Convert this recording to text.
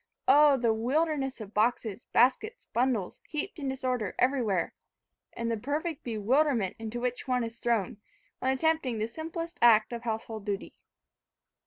Oh! the wilderness of boxes, baskets, bundles, heaped in disorder everywhere! and the perfect bewilderment into which one is thrown, when attempting the simplest act of household duty.